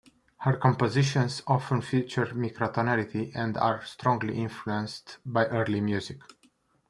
Her compositions often feature microtonality and are strongly influenced by early music.